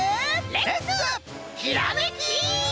レッツひらめき！